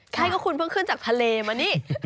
ใช่ก็คุณเพิ่งขึ้นจากทะเลมานี่